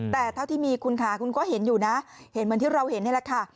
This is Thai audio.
แต่เท่าที่มีคุณค่ะคุณก็เห็นอยู่นะเห็นเหมือนที่เราเห็นนี่แหละค่ะ